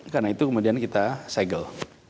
karena itu kemudian kita segel